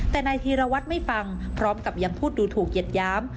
แต่นายธีรวัตรไม่ฟังพร้อมกับยังพูดดูถูกเหยียดหยาม